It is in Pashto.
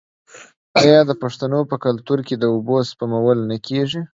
آیا د پښتنو په کلتور کې د اوبو سپمول نه کیږي؟